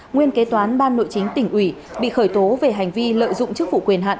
nguyên kế toán ban nội chính tỉnh ủy bị khởi tố về hành vi lợi dụng chức vụ quyền hạn